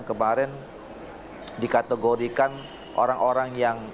kemarin dikategorikan orang orang yang